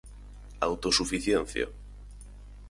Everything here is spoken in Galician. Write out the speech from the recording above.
Autosuficiencia.